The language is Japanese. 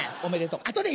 おめでとう。